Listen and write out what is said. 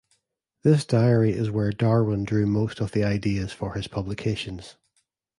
This diary is where Darwin drew most of the ideas for his publications.